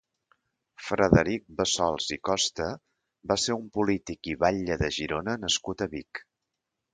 Frederic Bassols i Costa va ser un polític i batlle de Girona nascut a Vic.